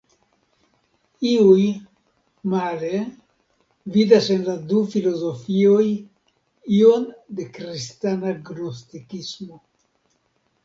Iuj, male, vidas en la du filozofioj ion de kristana gnostikismo.